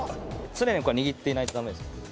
常に握っていないとだめです